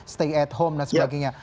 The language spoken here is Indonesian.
stay at home dan sebagainya